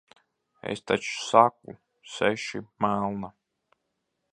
Es taču saku - seši, melna.